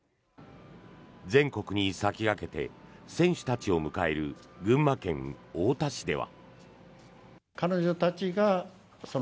全国に先駆けて選手たちを迎える群馬県太田市では。